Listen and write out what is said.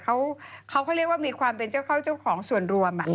เขาเรียกว่ามีความเป็นเจ้าเข้าเจ้าของส่วนรวม